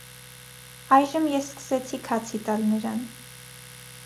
Այժմ ես սկսեցի քացի տալ նրան: